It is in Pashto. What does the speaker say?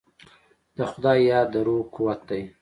د خدای یاد د روح قوت دی.